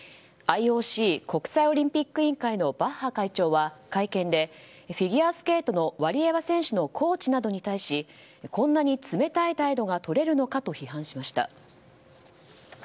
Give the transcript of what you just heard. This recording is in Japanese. ＩＯＣ・国際オリンピック委員会のバッハ会長は会見でフィギュアスケートのワリエワ選手のコーチなどに対しこんなに冷たい態度がとれるのかと批判しました。